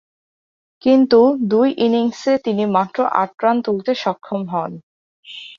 কিন্তু দুই ইনিংসে তিনি মাত্র আট রান তুলতে সক্ষম হন।